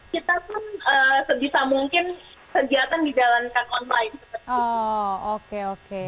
kita pun sedisa mungkin kegiatan dijalankan online